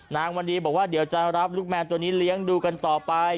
นางวันดีบอกว่าเดี๋ยวจะรับลูกแมวตัวนี้เลี้ยงดูกันต่อไป